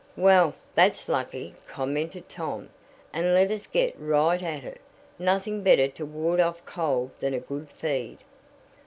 "Well, that's lucky," commented Tom. "And let us get right at it. Nothing better to ward off cold than a good feed."